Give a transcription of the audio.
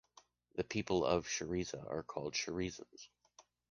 The people of Cerizay are called Cerizians.